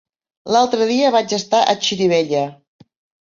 L'altre dia vaig estar a Xirivella.